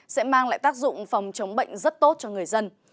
sẽ mang lại tác dụng phòng chống bệnh rất tốt cho người dân